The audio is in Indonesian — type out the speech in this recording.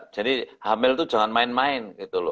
jadi hamil itu jangan main main